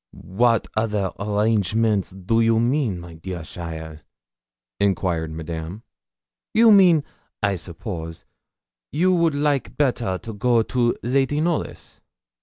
'What other arrangements do you mean, my dear cheaile?' enquired Madame. 'You mean, I suppose, you would like better to go to Lady Knollys?'